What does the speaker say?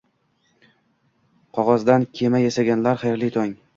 Qog'ozdan kema yasaganlar, xayrli tong!